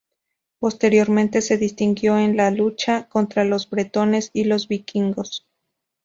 Posteriormente se distinguió en la lucha contra los bretones y los vikingos.